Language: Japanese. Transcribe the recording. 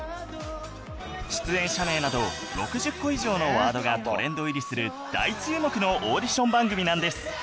出演者名など６０個以上のワードがトレンド入りする大注目のオーディション番組なんです